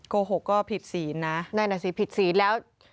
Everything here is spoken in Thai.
โกหกก็ผิดศีลนะ